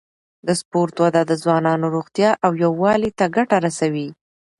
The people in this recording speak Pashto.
د سپورت وده د ځوانانو روغتیا او یووالي ته ګټه رسوي.